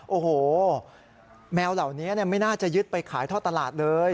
โอ้โหแมวเหล่านี้ไม่น่าจะยึดไปขายท่อตลาดเลย